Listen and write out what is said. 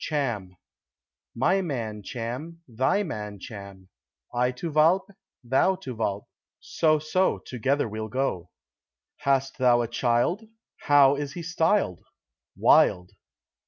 "Cham." "My man Cham, thy man Cham; I to Walpe, thou to Walpe; so, so, together we'll go." "Hast thou a child; how is he styled?" "Wild."